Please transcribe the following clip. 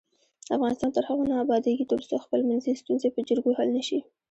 افغانستان تر هغو نه ابادیږي، ترڅو خپلمنځي ستونزې په جرګو حل نشي.